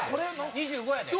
２５やねん。